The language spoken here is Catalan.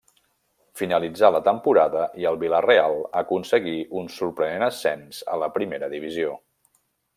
Finalitzà la temporada i el Vila-real aconseguí un sorprenent ascens a la Primera divisió.